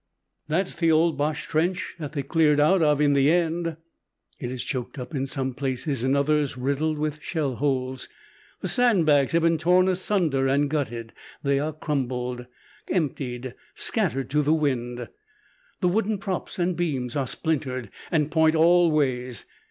"That's the old Boche trench, that they cleared out of in the end." It is choked up in some places, in others riddled with shell holes. The sandbags have been torn asunder and gutted; they are crumbled, emptied, scattered to the wind. The wooden props and beams arc splintered, and point all ways.